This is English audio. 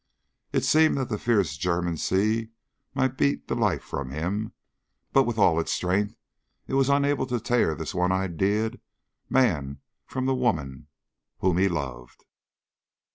It seemed that the fierce German Sea might beat the life from him, but with all its strength it was unable to tear this one idea'd man from the woman whom he loved.